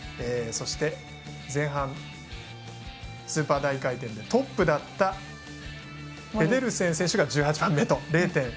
そして、前半スーパー大回転でトップだったペデルセン選手が１８番目と。